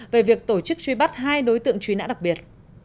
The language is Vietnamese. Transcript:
về việc tổ chức truy bắt hai đối tượng truy nã đặc biệt